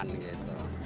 topi yang depan gitu